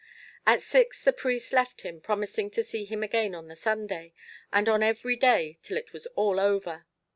At six the priest left him promising to see him again on the Sunday, and on every day till it was all over.